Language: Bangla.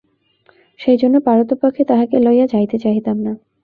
সেইজন্য পারতপক্ষে তাহাকে লইয়া যাইতে চাহিতাম না।